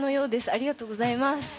ありがとうございます！